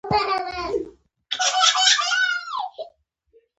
د اوسېدو ځای خپل حواله لري.